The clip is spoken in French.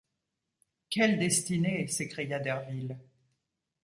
Quelle destinée! s’écria Derville.